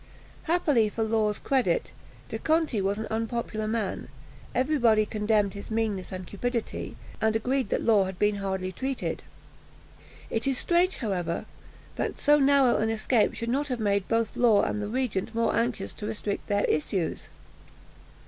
Happily for Law's credit, De Conti was an unpopular man: every body condemned his meanness and cupidity, and agreed that Law had been hardly treated. It is strange, however, that so narrow an escape should not have made both Law and the regent more anxious to restrict their issues.